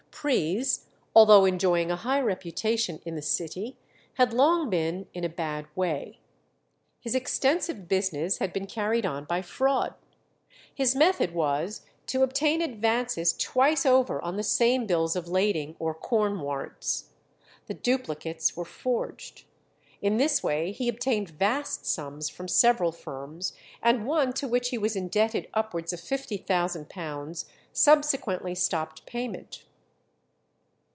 Pries, although enjoying a high reputation in the city, had long been in a bad way. His extensive business had been carried on by fraud. His method was to obtain advances twice over on the same bills of lading or corn warrants. The duplicates were forged. In this way he obtained vast sums from several firms, and one to which he was indebted upwards of £50,000 subsequently stopped payment.